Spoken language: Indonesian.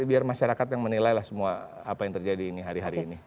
biar masyarakat yang menilailah semua apa yang terjadi hari hari ini